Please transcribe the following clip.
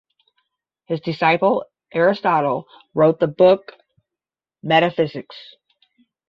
His disciple Aristotle wrote the book Metaphysics.